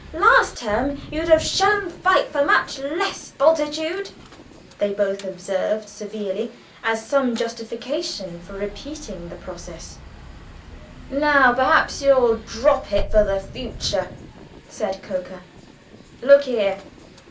"Last term you'd have shown fight for much less, Bultitude," they both observed severely, as some justification for repeating the process. "Now, perhaps, you'll drop it for the future," said Coker. "Look here!